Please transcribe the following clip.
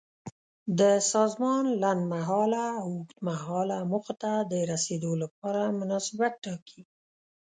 د سازمان لنډمهاله او اوږدمهاله موخو ته د رسیدو لپاره مناسبیت ټاکي.